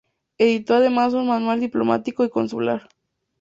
Editó además un manual diplomático y consular.